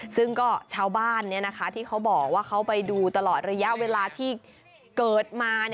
ซึ่งก็ชาวบ้านที่เขาบอกว่าเขาไปดูตลอดระยะเวลาที่เกิดมา